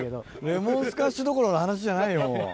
レモンスカッシュどころの話じゃないよ。